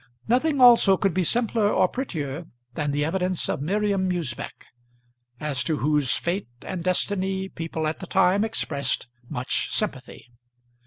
Nothing also could be simpler or prettier than the evidence of Miriam Usbech, as to whose fate and destiny people at the time expressed much sympathy.